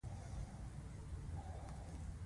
ابدالي توپخانې ته امر کړی دی.